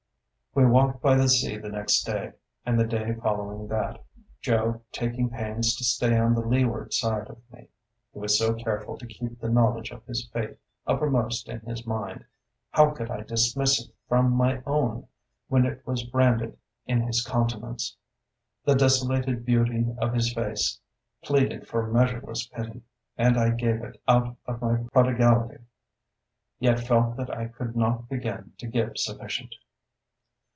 We walked by the sea the next day, and the day following that, Joe taking pains to stay on the leeward side of me, he was so careful to keep the knowledge of his fate uppermost in his mind: how could I dismiss it from my own, when it was branded in his countenance? The desolated beauty of his face pleaded for measureless pity, and I gave it, out of my prodigality, yet felt that I could not begin to give sufficient.